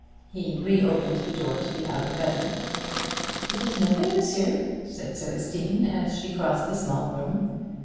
He re opened the door to the outer bedroom. "It is nothing, monsieur," said Célestine, as she crossed the small room.